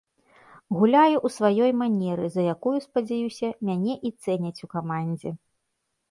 Гуляю ў сваёй манеры, за якую, спадзяюся, мяне і цэняць у камандзе.